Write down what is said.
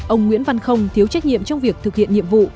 ông nguyễn văn không thiếu trách nhiệm trong việc thực hiện nhiệm vụ